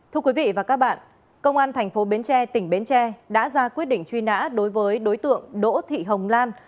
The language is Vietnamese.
thưa quý vị và các bạn công an thành phố bến tre tỉnh bến tre đã ra quyết định truy nã đối với đối tượng đỗ thị hồng lan